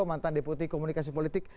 mantan deputi komunikasi politik